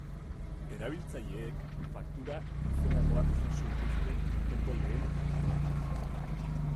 Erabiltzaileek faktura gizenagoak jaso dituzte urteko lehen urtean.